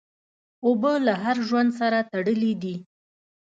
اوبه له هر ژوند سره تړلي دي.